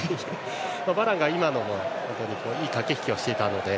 バランが今のもいい駆け引きをしていたので。